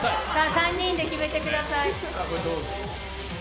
３人で決めてください。